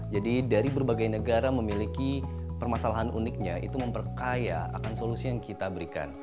jadi dari berbagai negara memiliki permasalahan uniknya itu memperkaya akan solusi yang kita berikan